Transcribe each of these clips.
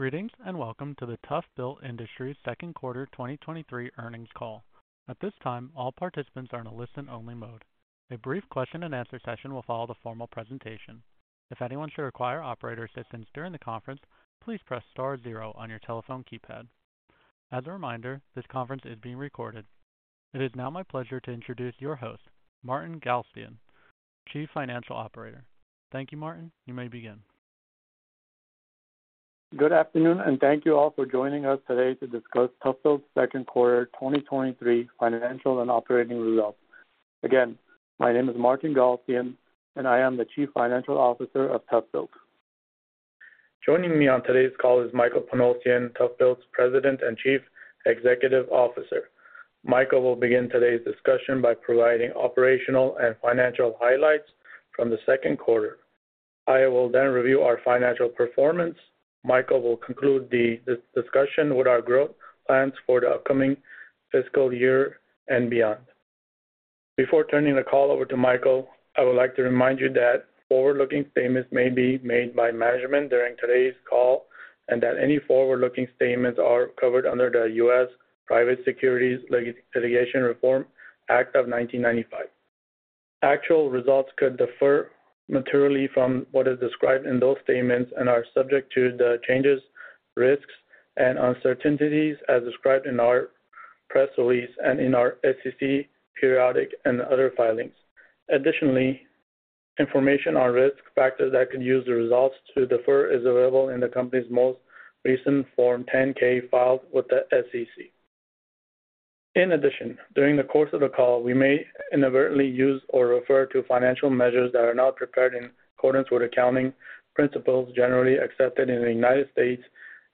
Greetings, and welcome to the ToughBuilt Industries second quarter 2023 earnings call. At this time, all participants are in a listen-only mode. A brief question and answer session will follow the formal presentation. If anyone should require operator assistance during the conference, please press star zero on your telephone keypad. As a reminder, this conference is being recorded. It is now my pleasure to introduce your host, Martin Galstyan, Chief Financial Officer. Thank you, Martin. You may begin. Good afternoon. Thank you all for joining us today to discuss ToughBuilt's second quarter 2023 financial and operating results. Again, my name is Martin Galstyan, and I am the Chief Financial Officer of ToughBuilt. Joining me on today's call is Michael Panosian, ToughBuilt's President and Chief Executive Officer. Michael will begin today's discussion by providing operational and financial highlights from the second quarter. I will then review our financial performance. Michael will conclude the discussion with our growth plans for the upcoming fiscal year and beyond. Before turning the call over to Michael, I would like to remind you that forward-looking statements may be made by management during today's call and that any forward-looking statements are covered under the U.S. Private Securities Litigation Reform Act of 1995. Actual results could differ materially from what is described in those statements and are subject to the changes, risks, and uncertainties as described in our press release and in our SEC periodic and other filings. Additionally, information on risk factors that could cause the results to differ is available in the company's most recent Form 10-K filed with the SEC. In addition, during the course of the call, we may inadvertently use or refer to financial measures that are not prepared in accordance with accounting principles generally accepted in the United States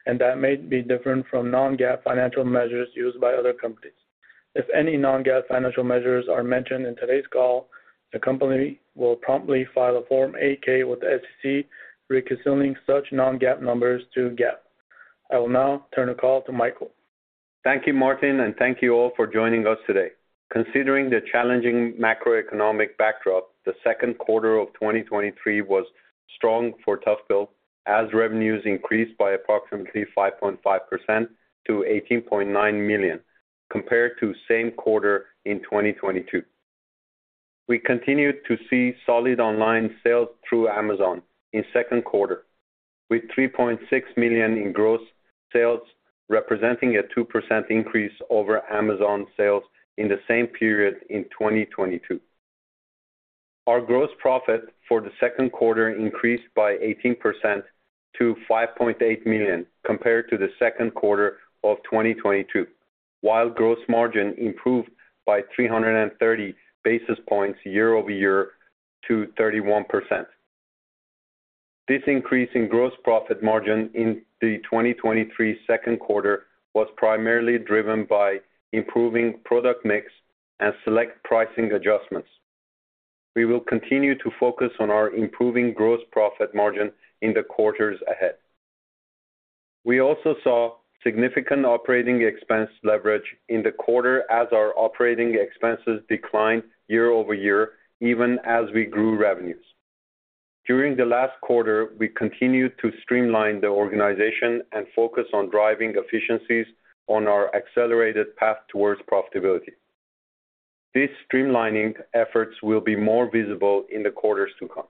and that may be different from non-GAAP financial measures used by other companies. If any non-GAAP financial measures are mentioned in today's call, the company will promptly file a Form 8-K with the SEC, reconciling such non-GAAP numbers to GAAP. I will now turn the call to Michael. Thank you, Martin, thank you all for joining us today. Considering the challenging macroeconomic backdrop, the second quarter of 2023 was strong for ToughBuilt, as revenues increased by approximately 5.5% to $18.9 million, compared to same quarter in 2022. We continued to see solid online sales through Amazon in second quarter, with $3.6 million in gross sales, representing a 2% increase over Amazon sales in the same period in 2022. Our gross profit for the second quarter increased by 18% to $5.8 million compared to the second quarter of 2022, while gross margin improved by 330 basis points year-over-year to 31%. This increase in gross profit margin in the 2023 second quarter was primarily driven by improving product mix and select pricing adjustments. We will continue to focus on our improving gross profit margin in the quarters ahead. We also saw significant operating expense leverage in the quarter as our operating expenses declined year-over-year, even as we grew revenues. During the last quarter, we continued to streamline the organization and focus on driving efficiencies on our accelerated path towards profitability. These streamlining efforts will be more visible in the quarters to come.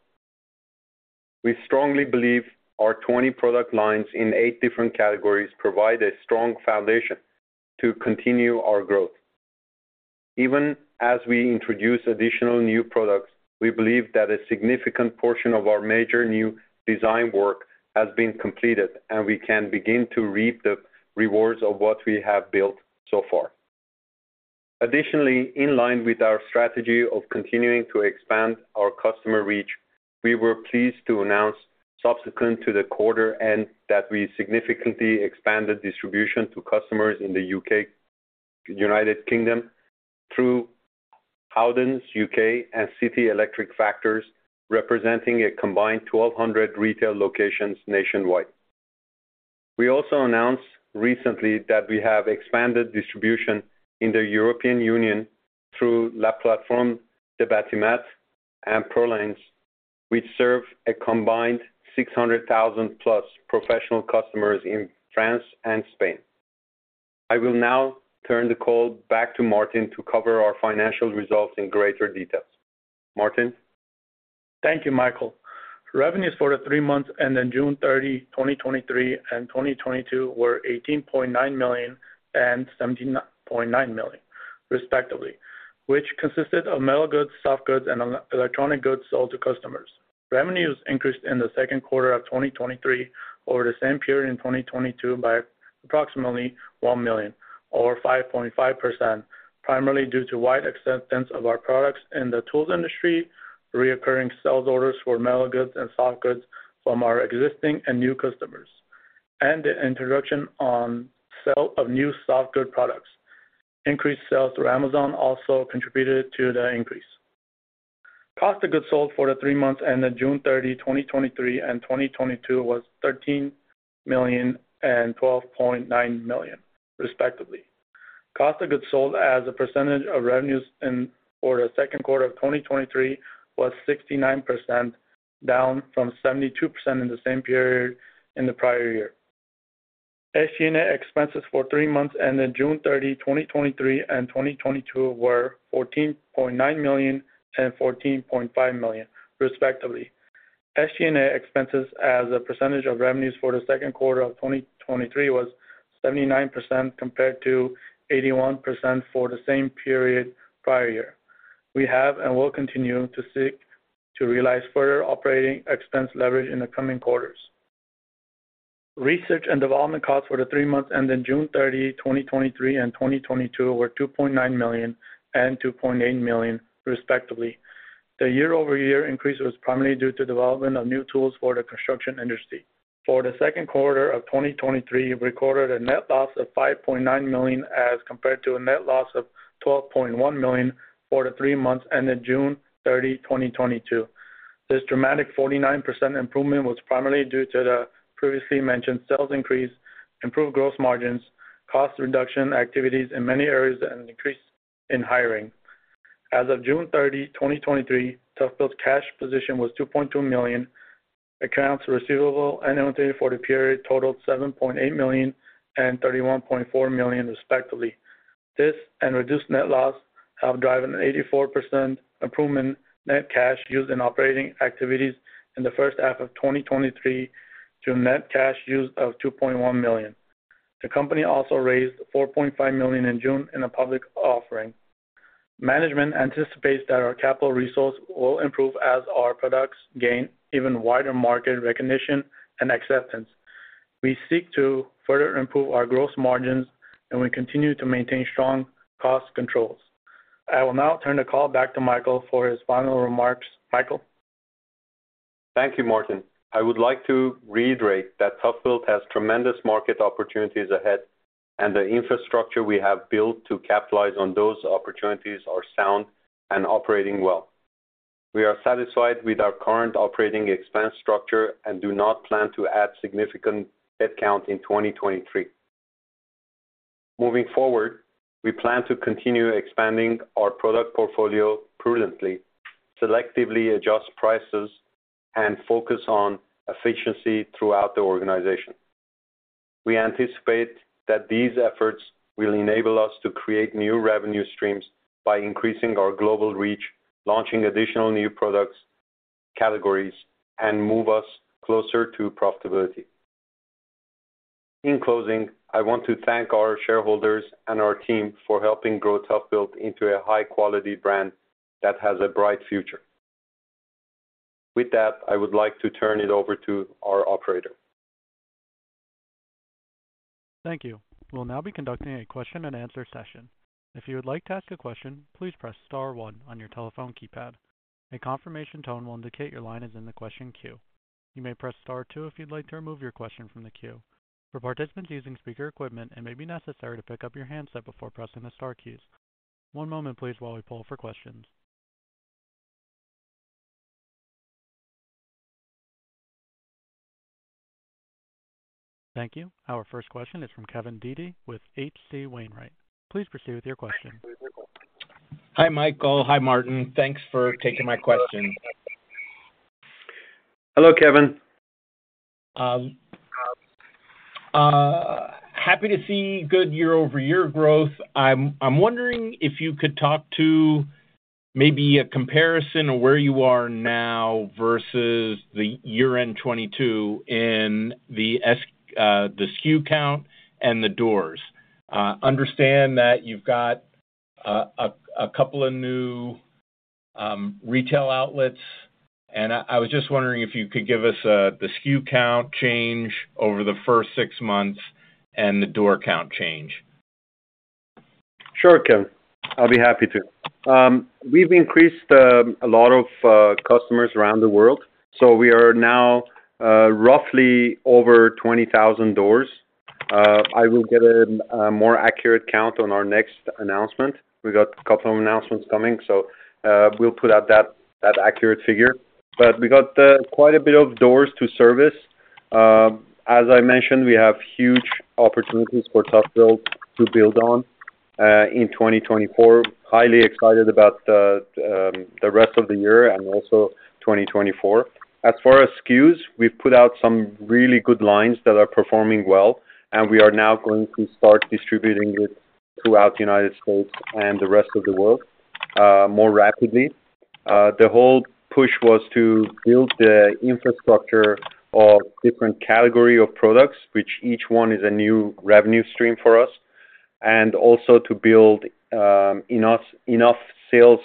We strongly believe our 20 product lines in eight different categories provide a strong foundation to continue our growth. Even as we introduce additional new products, we believe that a significant portion of our major new design work has been completed, and we can begin to reap the rewards of what we have built so far. Additionally, in line with our strategy of continuing to expand our customer reach, we were pleased to announce subsequent to the quarter end, that we significantly expanded distribution to customers in the U.K., United Kingdom, through Howdens U.K. and City Electrical Factors, representing a combined 1,200 retail locations nationwide. We also announced recently that we have expanded distribution in the European Union through La Plateforme du Bâtiment, and Prolians, which serve a combined 600,000-plus professional customers in France and Spain. I will now turn the call back to Martin to cover our financial results in greater details. Martin? Thank you, Michael. Revenues for the three months ended June 30, 2023 and 2022 were $18.9 million and $17.9 million, respectively, which consisted of metal goods, soft goods, and electronic goods sold to customers. Revenues increased in the second quarter of 2023 over the same period in 2022 by approximately $1 million or 5.5%, primarily due to wide acceptance of our products in the tools industry, reoccurring sales orders for metal goods and soft goods from our existing and new customers, and the introduction on sale of new soft good products. Increased sales through Amazon also contributed to the increase. Cost of goods sold for the three months ended June 30, 2023 and 2022 was $13 million and $12.9 million, respectively.... Cost of goods sold as a percentage of revenues in for the second quarter of 2023 was 69%, down from 72% in the same period in the prior year. SG&A expenses for 3 months ended June 30, 2023 and 2022 were $14.9 million and $14.5 million, respectively. SG&A expenses as a percentage of revenues for the second quarter of 2023 was 79%, compared to 81% for the same period prior year. We have and will continue to seek to realize further operating expense leverage in the coming quarters. R&D costs for the 3 months ended June 30, 2023 and 2022 were $2.9 million and $2.8 million, respectively. The year-over-year increase was primarily due to development of new tools for the construction industry. For the second quarter of 2023, we recorded a net loss of $5.9 million, as compared to a net loss of $12.1 million for the three months ended June 30, 2022. This dramatic 49% improvement was primarily due to the previously mentioned sales increase, improved gross margins, cost reduction activities in many areas, and an increase in hiring. As of June 30, 2023, ToughBuilt's cash position was $2.2 million. Accounts receivable and inventory for the period totaled $7.8 million and $31.4 million, respectively. This and reduced net loss helped drive an 84% improvement in net cash used in operating activities in the first half of 2023 to a net cash use of $2.1 million. The company also raised $4.5 million in June in a public offering. Management anticipates that our capital resource will improve as our products gain even wider market recognition and acceptance. We seek to further improve our gross margins, and we continue to maintain strong cost controls. I will now turn the call back to Michael for his final remarks. Michael? Thank you, Martin. I would like to reiterate that ToughBuilt has tremendous market opportunities ahead, and the infrastructure we have built to capitalize on those opportunities are sound and operating well. We are satisfied with our current operating expense structure and do not plan to add significant headcount in 2023. Moving forward, we plan to continue expanding our product portfolio prudently, selectively adjust prices, and focus on efficiency throughout the organization. We anticipate that these efforts will enable us to create new revenue streams by increasing our global reach, launching additional new products, categories, and move us closer to profitability. In closing, I want to thank our shareholders and our team for helping grow ToughBuilt into a high-quality brand that has a bright future. With that, I would like to turn it over to our operator. Thank you. We'll now be conducting a question-and-answer session. If you would like to ask a question, please press star one on your telephone keypad. A confirmation tone will indicate your line is in the question queue. You may press star two if you'd like to remove your question from the queue. For participants using speaker equipment, it may be necessary to pick up your handset before pressing the star keys. One moment please while we poll for questions. Thank you. Our first question is from Kevin Dede with H.C. Wainwright. Please proceed with your question. Hi, Michael. Hi, Martin. Thanks for taking my question. Hello, Kevin. happy to see good year-over-year growth. I'm, I'm wondering if you could talk to maybe a comparison of where you are now versus the year-end 2022 in the SKU count and the doors. understand that you've got a couple of new retail outlets, and I, I was just wondering if you could give us the SKU count change over the first six months and the door count change. Sure, Kevin, I'll be happy to. We've increased a lot of customers around the world. We are now roughly over 20,000 doors. I will get a more accurate count on our next announcement. We got a couple of announcements coming. We'll put out that accurate figure. We got quite a bit of doors to service. As I mentioned, we have huge opportunities for ToughBuilt to build on in 2024. Highly excited about the rest of the year and also 2024. As far as SKUs, we've put out some really good lines that are performing well. We are now going to start distributing it throughout the United States and the rest of the world more rapidly. The whole push was to build the infrastructure of different category of products, which each one is a new revenue stream for us, and also to build, enough, enough sales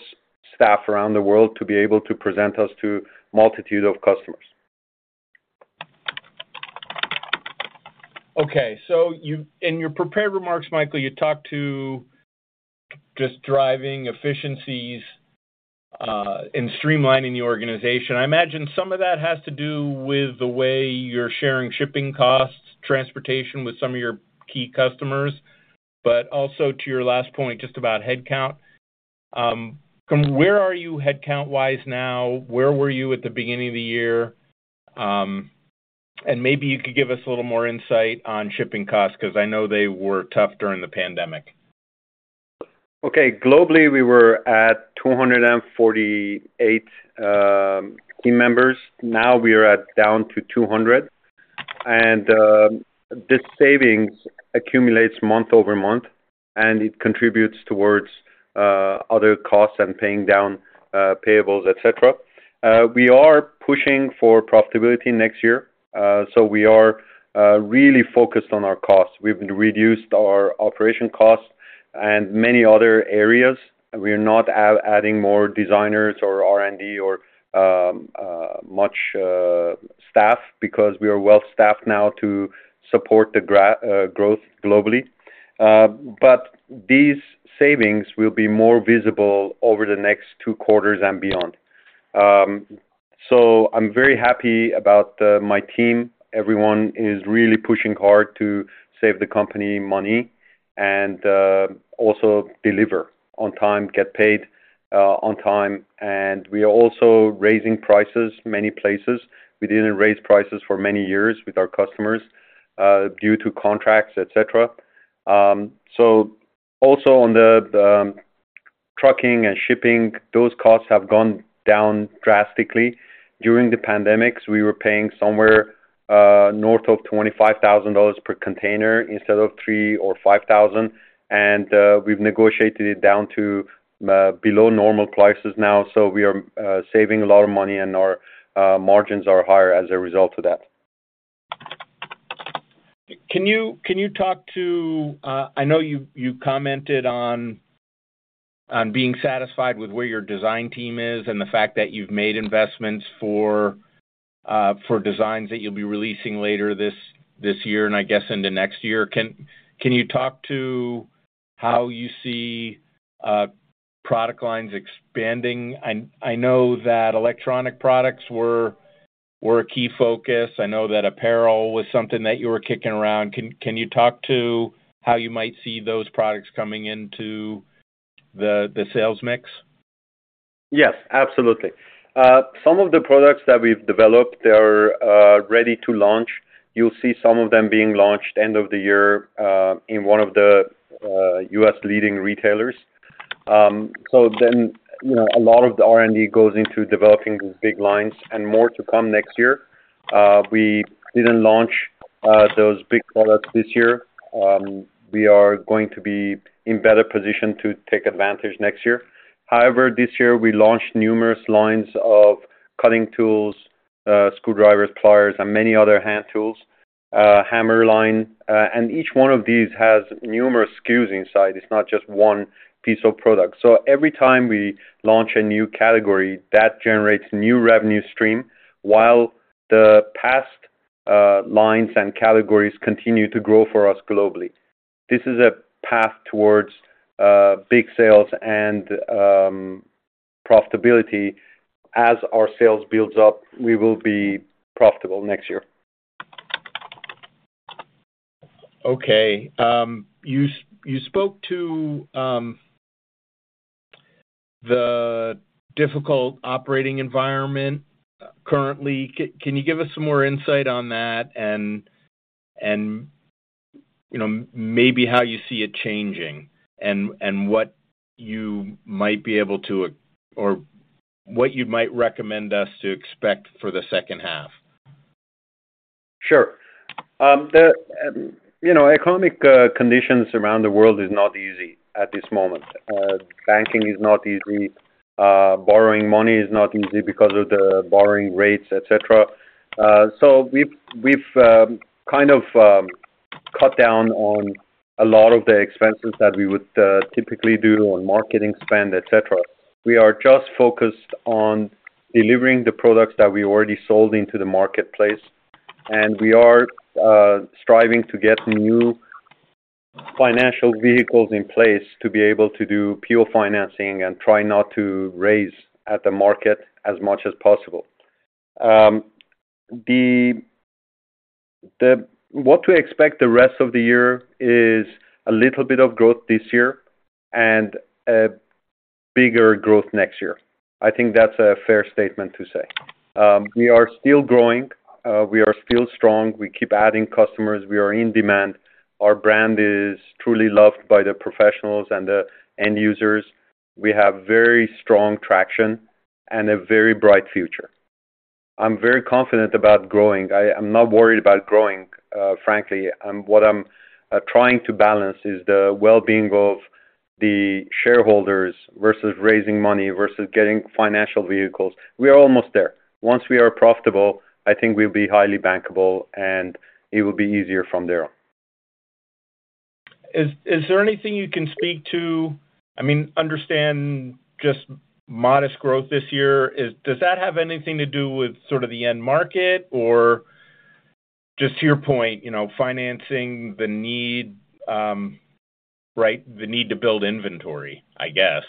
staff around the world to be able to present us to a multitude of customers. Okay. you-- in your prepared remarks, Michael, you talked to just driving efficiencies and streamlining the organization. I imagine some of that has to do with the way you're sharing shipping costs, transportation with some of your key customers, but also to your last point, just about headcount. From where are you headcount-wise now? Where were you at the beginning of the year? Maybe you could give us a little more insight on shipping costs, because I know they were tough during the pandemic. Okay. Globally, we were at 248 team members. Now we are at down to 200. This savings accumulates month-over-month, and it contributes towards other costs and paying down payables, et cetera. We are pushing for profitability next year. We are really focused on our costs. We've reduced our operation costs and many other areas. We are not adding more designers or R&D or much staff, because we are well staffed now to support the growth globally. These savings will be more visible over the next 2 quarters and beyond. I'm very happy about my team. Everyone is really pushing hard to save the company money and also deliver on time, get paid on time. We are also raising prices many places. We didn't raise prices for many years with our customers, due to contracts, et cetera. Also on the, the, trucking and shipping, those costs have gone down drastically. During the pandemic, we were paying somewhere, north of $25,000 per container instead of $3,000 or $5,000, and, we've negotiated it down to, below normal prices now. We are saving a lot of money, and our, margins are higher as a result of that. Can you, can you talk to... I know you, you commented on, on being satisfied with where your design team is and the fact that you've made investments for designs that you'll be releasing later this, this year and I guess into next year. Can, can you talk to how you see product lines expanding? I, I know that electronic products were, were a key focus. I know that apparel was something that you were kicking around. Can, can you talk to how you might see those products coming into the, the sales mix? Yes, absolutely. Some of the products that we've developed are ready to launch. You'll see some of them being launched end of the year, in one of the U.S. leading retailers. You know, a lot of the R&D goes into developing these big lines and more to come next year. We didn't launch those big products this year. We are going to be in better position to take advantage next year. However, this year we launched numerous lines of cutting tools, screwdrivers, pliers, and many other hand tools, hammer line. Each one of these has numerous SKUs inside. It's not just one piece of product. Every time we launch a new category, that generates new revenue stream, while the past lines and categories continue to grow for us globally. This is a path towards big sales and profitability. As our sales builds up, we will be profitable next year. Okay. you, you spoke to the difficult operating environment currently. Can you give us some more insight on that and, and, you know, maybe how you see it changing and, and what you might be able to or what you might recommend us to expect for the second half? Sure. The, you know, economic conditions around the world is not easy at this moment. Banking is not easy. Borrowing money is not easy because of the borrowing rates, et cetera. We've, we've, kind of, cut down on a lot of the expenses that we would, typically do on marketing spend, et cetera. We are just focused on delivering the products that we already sold into the marketplace, and we are striving to get new financial vehicles in place to be able to do pure financing and try not to raise at the market as much as possible. The, the-- what to expect the rest of the year is a little bit of growth this year and a bigger growth next year. I think that's a fair statement to say. We are still growing. We are still strong. We keep adding customers. We are in demand. Our brand is truly loved by the professionals and the end users. We have very strong traction and a very bright future. I'm very confident about growing. I-I'm not worried about growing, frankly. What I'm trying to balance is the well-being of the shareholders versus raising money, versus getting financial vehicles. We are almost there. Once we are profitable, I think we'll be highly bankable, and it will be easier from there. Is there anything you can speak to? I mean, understand just modest growth this year. Does that have anything to do with sort of the end market or just to your point, you know, financing the need, right, the need to build inventory, I guess?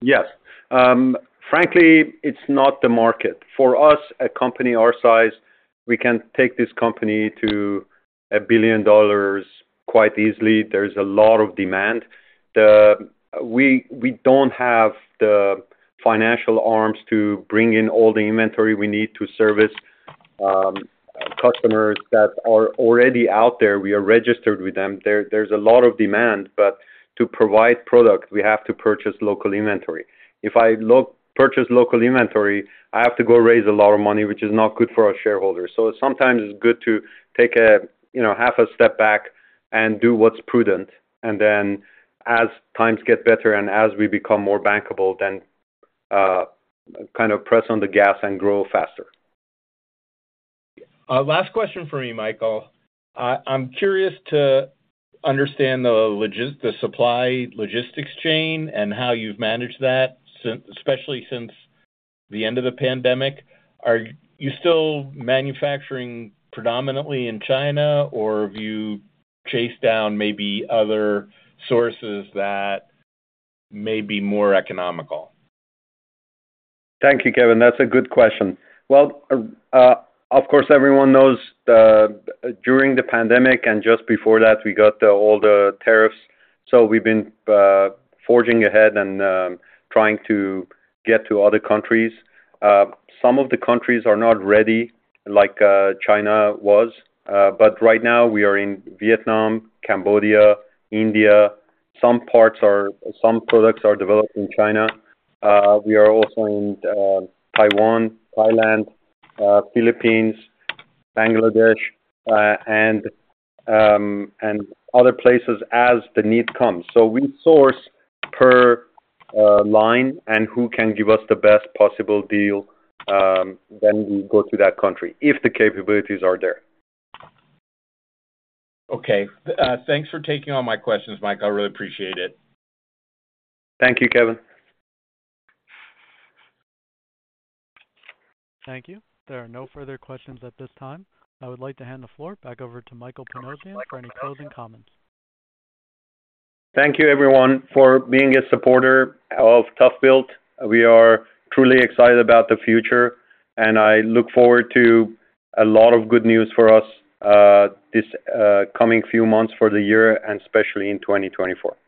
Yes. Frankly, it's not the market. For us, a company our size, we can take this company to $1 billion quite easily. There's a lot of demand. We don't have the financial arms to bring in all the inventory we need to service customers that are already out there. We are registered with them. There's a lot of demand, but to provide product, we have to purchase local inventory. If I purchase local inventory, I have to go raise a lot of money, which is not good for our shareholders. Sometimes it's good to take a, you know, half a step back and do what's prudent, and then as times get better and as we become more bankable, then kind of press on the gas and grow faster. Last question for me, Michael. I'm curious to understand the supply logistics chain and how you've managed that, since, especially since the end of the pandemic. Are you still manufacturing predominantly in China, or have you chased down maybe other sources that may be more economical? Thank you, Kevin. That's a good question. Well, of course, everyone knows, during the pandemic and just before that, we got the, all the tariffs, we've been forging ahead and trying to get to other countries. Some of the countries are not ready, like China was. Right now we are in Vietnam, Cambodia, India. Some products are developed in China. We are also in Taiwan, Thailand, Philippines, Bangladesh, and other places as the need comes. We source per line and who can give us the best possible deal, we go to that country, if the capabilities are there. Okay. Thanks for taking all my questions, Mike. I really appreciate it. Thank you, Kevin. Thank you. There are no further questions at this time. I would like to hand the floor back over to Michael Panosian for any closing comments. Thank you, everyone, for being a supporter of ToughBuilt. We are truly excited about the future, I look forward to a lot of good news for us, this coming few months for the year and especially in 2024. Be well.